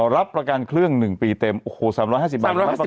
รับประกันเครื่อง๑ปีเต็มโอ้โห๓๕๐บาทนะครับ